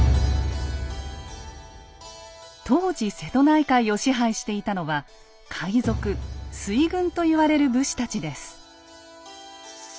当時瀬戸内海を支配していたのは海賊水軍といわれる武士たちです。